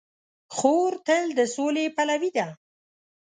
خور تل د سولې پلوي ده.